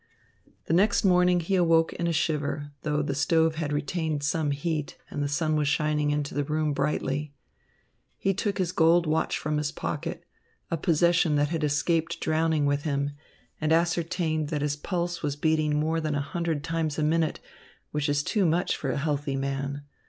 The next morning he awoke in a shiver, though the stove had retained some heat and the sun was shining into the room brightly. He took his gold watch from his pocket a possession that had escaped drowning with him and ascertained that his pulse was beating more than a hundred times a minute, which is too much for a healthy man.